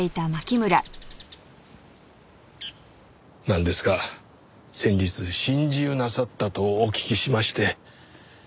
なんですか先日心中なさったとお聞きしまして。